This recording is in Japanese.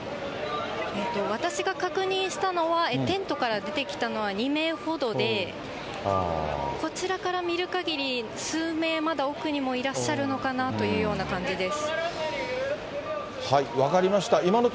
私が確認したのは、テントから出てきたのは２名ほどで、こちらから見るかぎり、数名まだ奥にもいらっしゃるのかなというような感じです。